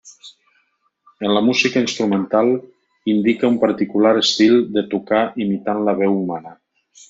En la música instrumental, indica un particular estil de tocar imitant la veu humana.